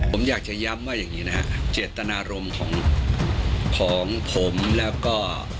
ผมอยากจะย้ำว่าอย่างนี้นะฮะเจตนารมณ์ของของผมแล้วก็